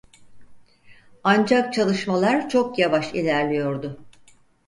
Ancak çalışmalar çok yavaş ilerliyordu.